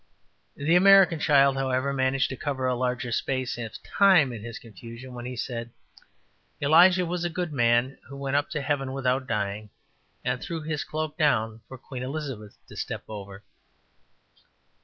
'' The American child, however, managed to cover a larger space of time in his confusion when he said, ``Elijah was a good man, who went up to heaven without dying, and threw his cloak down for Queen Elizabeth to step over.''